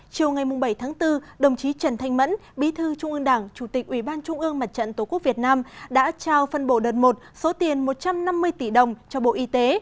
chiều ngày bảy tháng bốn đồng chí trần thanh mẫn bí thư trung ương đảng chủ tịch ủy ban trung ương mặt trận tổ quốc việt nam đã trao phân bộ đợt một số tiền một trăm năm mươi tỷ đồng cho bộ y tế